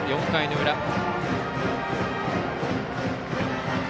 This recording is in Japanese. ４回の裏。